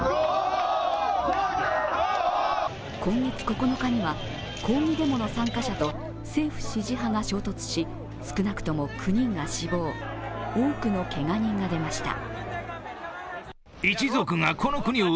今月９日には抗議デモの参加者と政府支持派が衝突し少なくとも９人が死亡、多くのけが人が出ました。